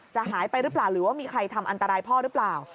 หายไปหรือเปล่าหรือว่ามีใครทำอันตรายพ่อหรือเปล่า